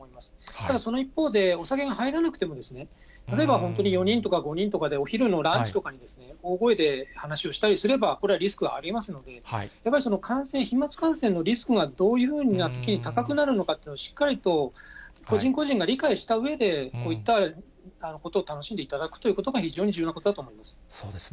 ただその一方でお酒が入らなくても、例えば本当に４人とか５人とかで、お昼のランチとかに大声で話をしたりすれば、これはリスクはありますので、やっぱり感染、飛まつ感染のリスクがどういうようなときに高くなるのかということをしっかりと個人個人が理解したうえで、こういったことを楽しんでいただくということが、非常に重要なこそうですね。